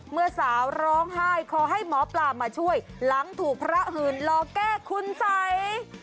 เมื่อสาวร้องไห้ขอให้หมอปลามาช่วยหลังถูกพระหื่นรอแก้คุณสัย